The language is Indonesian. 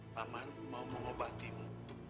pak man mau mengobatimu